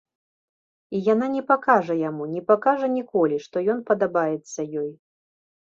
І яна не пакажа яму, не пакажа ніколі, што ён падабаецца ёй.